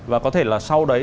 và có thể là sau đấy